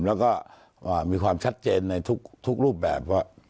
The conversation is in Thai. แล้วก็มีความชัดเจนในทุกรูปแบบว่า